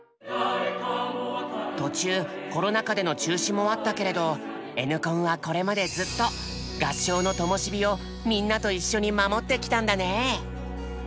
途中コロナ禍での中止もあったけれどＮコンはこれまでずっと合唱のともし火をみんなと一緒に守ってきたんだね。